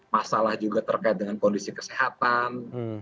masalah juga terkait dengan kondisi kesehatan